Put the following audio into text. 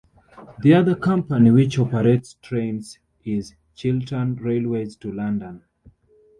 The other company which operates trains is Chiltern Railways to London.